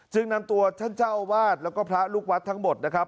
นำตัวท่านเจ้าอาวาสแล้วก็พระลูกวัดทั้งหมดนะครับ